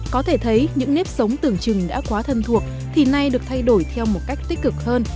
có thể thấy những nếp sống tưởng chừng đã quá thân thuộc thì nay được thay đổi theo một cách tích cực hơn